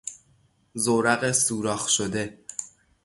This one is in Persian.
زورق سوراخ شده